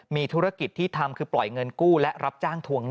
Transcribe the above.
ปี๖๕วันเกิดปี๖๔ไปร่วมงานเช่นเดียวกัน